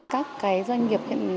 các cái doanh nghiệp